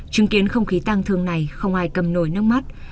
chứng kiến không khí tang thương này không ai cầm nổi nước mắt